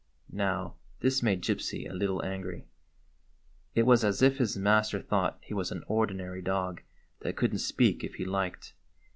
Now, this made Gypsy a little angry. It was as if his master thought he was an ordinary dog that could n't speak if he liked.